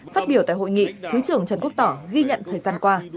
phát biểu tại hội nghị thứ trưởng trần quốc tỏ ghi nhận thời gian qua